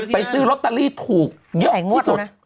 ซื้อลอตเตอรี่ถูกเยอะที่สุด